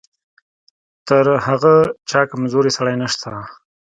تر هغه چا کمزوری سړی نشته.